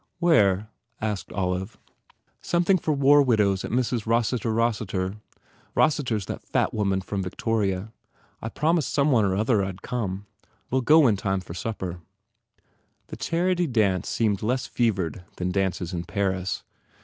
"Where?" asked Olive. 128 MARGOT "Something for war widows at Mrs. Rossiter Rossiter Rossiter s that fat woman from Vic toria. I promised some one or other I d come. We ll go in time for supper." The charity dance seemed less fevered than dances in Paris.